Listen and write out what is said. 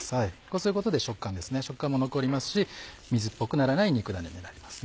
こうすることで食感も残りますし水っぽくならない肉ダネになります。